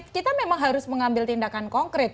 kita memang harus mengambil tindakan konkret